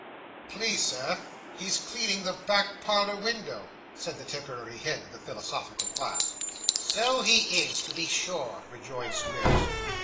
'Please, sir, he's cleaning the back parlour window,' said the temporary head of the philosophical class. 'So he is, to be sure,' rejoined Squeers.